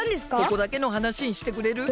ここだけのはなしにしてくれる？